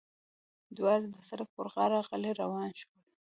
دواړه د سړک پر غاړه غلي روان شول.